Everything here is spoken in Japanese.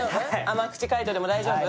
甘口海音でも大丈夫？